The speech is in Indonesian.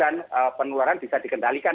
dan penularan bisa dikendalikan